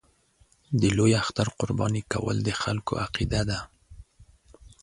د لوی اختر قرباني کول د خلکو عقیده ده.